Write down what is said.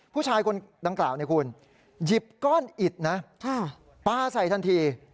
ผู้ชายคนดังกล่าวเนี่ยคุณหยิบก้อนอิดนะปลาใส่ทันที